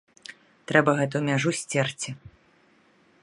Трэба гэту мяжу сцерці.